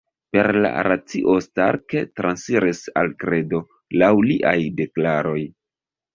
Per la racio Stark transiris al kredo, laŭ liaj deklaroj.